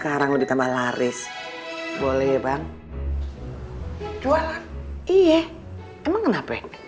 kayak ginil understands acara kua